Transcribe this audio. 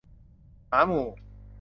หมาหมู่